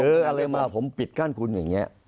เออเอาเลยมาผมปิดก้านคุณอย่างเงี้ย